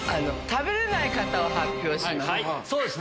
食べれない方を発表します。